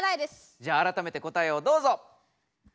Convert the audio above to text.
じゃああらためて答えをどうぞ。